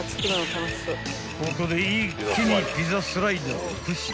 ［ここで一気にピザスライダーを駆使］